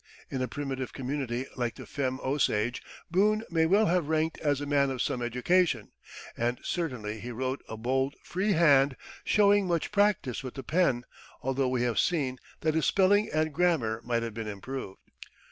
In a primitive community like the Femme Osage, Boone may well have ranked as a man of some education; and certainly he wrote a bold, free hand, showing much practise with the pen, although we have seen that his spelling and grammar might have been improved.